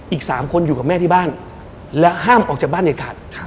อีก๓คนอยู่กับแม่ที่บ้านและห้ามออกจากบ้านเด็ดขาด